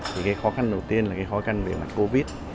thì cái khó khăn đầu tiên là cái khó khăn về mặt covid